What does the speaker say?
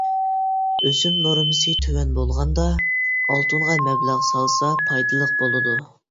ئۆسۈم نورمىسى تۆۋەن بولغاندا ئالتۇنغا مەبلەغ سالسا پايدىلىق بولىدۇ.